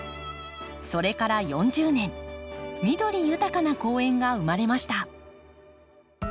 それから４０年緑豊かな公園が生まれました。